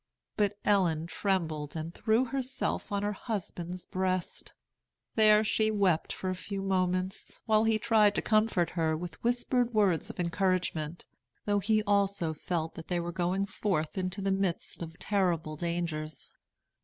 But Ellen trembled and threw herself on her husband's breast. There she wept for a few moments, while he tried to comfort her with whispered words of encouragement, though he also felt that they were going forth into the midst of terrible dangers.